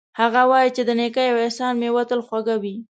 هغه وایي چې د نیکۍ او احسان میوه تل خوږه وي